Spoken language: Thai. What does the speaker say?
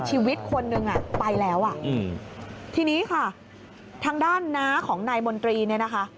ชีวิตคนนึงอ่ะไปแล้วอ่ะอืมทีนี้ค่ะทางด้านน้าของนายมนตรีเนี่ยนะคะ